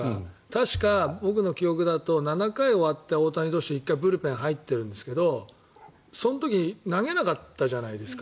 確か僕の記憶だと７回が終わって大谷投手は１回、ブルペン入ってるんですがその時投げなかったじゃないですか。